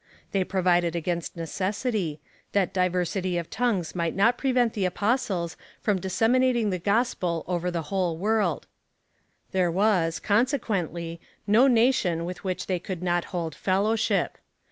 They provided against necessity — that diversity of tongues might not prevent the Apostles from disseminat ing the gospel over the Avhole world : there was, conse quently, no nation with which they could not hold fellowship.